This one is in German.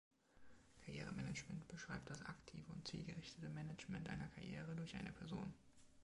Karrieremanagement beschreibt das aktive und zielgerichtete Management einer Karriere durch eine Person.